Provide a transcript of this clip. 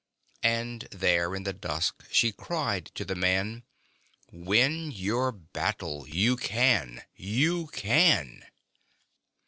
And there in the dusk she cried to the man, "Win your battle you can, you can!"